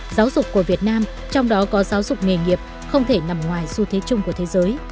giáo dục của việt nam trong đó có giáo dục nghề nghiệp không thể nằm ngoài xu thế chung của thế giới